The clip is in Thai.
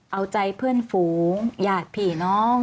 เอาใจเพื่อนฝูงญาติผีน้อง